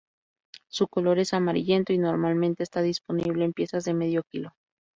Su color es amarillento, y normalmente está disponible en piezas de medio kilo.